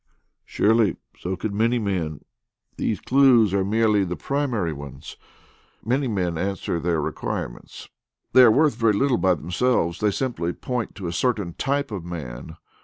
"Surely! So could many men. These clues are merely the primary ones. Many men answer their requirements. They are worth very little by themselves. They simply point to a certain type of man.